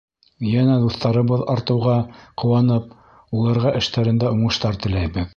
Йәнә дуҫтарыбыҙ артыуға ҡыуанып, уларға эштәрендә уңыштар теләйбеҙ.